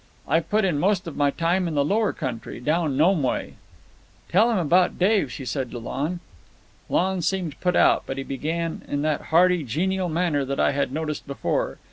I've put in most of my time in the Lower Country, down Nome way." "Tell him about Dave," she said to Lon. Lon seemed put out, but he began in that hearty, genial manner that I had noticed before.